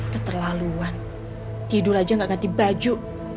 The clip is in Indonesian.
keterlaluan tidur aja gak ganti baju